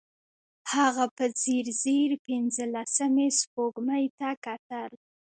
هغه په ځير ځير پينځلسمې سپوږمۍ ته کتل.